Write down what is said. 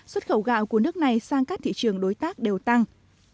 xuất khẩu gạo của nước này sang các thị trường đối tác đều tăng